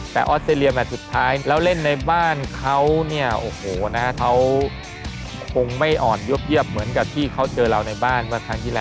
แต่ออสเตรเลียแมทสุดท้ายแล้วเล่นในบ้านเขาเนี่ยโอ้โหนะฮะเขาคงไม่อ่อนเยวเหมือนกับที่เขาเจอเราในบ้านเมื่อครั้งที่แล้ว